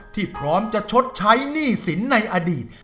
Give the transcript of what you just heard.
พร้อมจะชดใช้หนี้สินในอดีต